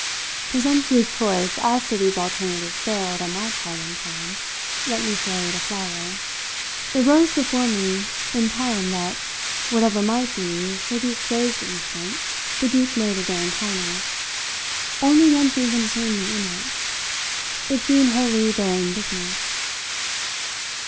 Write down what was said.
Presumptous choice as to these alternatives failed, on my part, in time, let me say, to flower; it rose before me in time that, whatever might be, for the exposed instant, the deep note of their encounter, only one thing concerned me in it: its being wholly their own business.